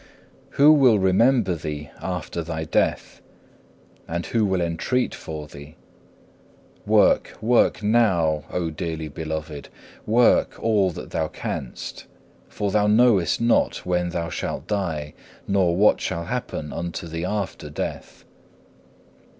8. Who will remember thee after thy death? And who will entreat for thee? Work, work now, oh dearly beloved, work all that thou canst. For thou knowest not when thou shalt die, nor what shall happen unto thee after death.